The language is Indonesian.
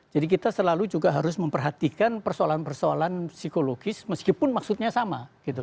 jadi kita selalu juga harus memperhatikan persoalan persoalan psikologis meskipun maksudnya sama